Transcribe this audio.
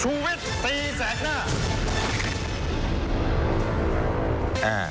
ชูเว็ดตีแสดหน้า